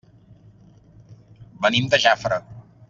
Venim de Jafre.